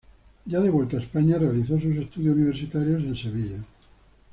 Ya de vuelta a España realizó sus estudios universitarios en Sevilla.